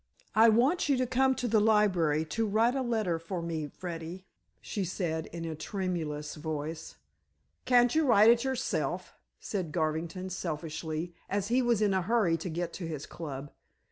"I want you to come to the library to write a letter for me, Freddy," she said in a tremulous voice. "Can't you write it yourself?" said Garvington selfishly, as he was in a hurry to get to his club.